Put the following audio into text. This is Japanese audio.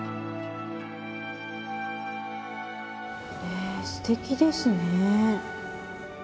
えすてきですね！